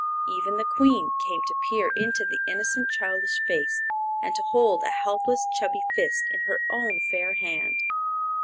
Even the Queen came to peer into the innocent childish face and to hold a helpless, chubby fist in her own fair hand.